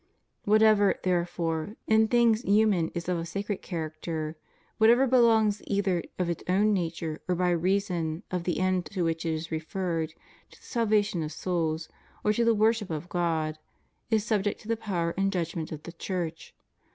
What ever, therefore, in things human is of a sacred character, whatever belongs either of its own nature or by reason of the end to which it is referred, to the salvation of souls, or to the worship of God, is subject to the power and judgment of the Church.